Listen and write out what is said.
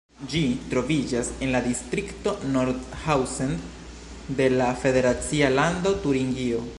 Ĝi troviĝas en la distrikto Nordhausen de la federacia lando Turingio.